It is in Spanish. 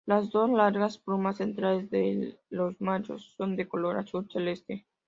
Las dos largas plumas centrales de los machos son de color azul celeste.